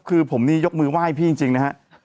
คือผมนี่ยกมือไหว้พี่จริงนะฮะ